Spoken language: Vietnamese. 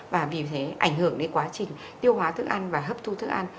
và vì thế ảnh hưởng đến quá trình tiêu hóa thức ăn và hấp thu thức ăn